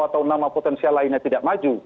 atau nama potensial lainnya tidak maju